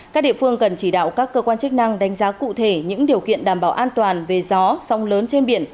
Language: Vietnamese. các địa phương cần chỉ đạo các cơ quan chức năng đánh giá cụ thể những điều kiện đảm bảo an toàn về gió sông lớn trên biển